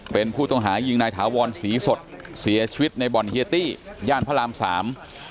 เป็นผู้ต้องหายิงนายถาวรศรีสดเสียชีวิตในบ่อนเฮียตี้ย่านพระรามสาม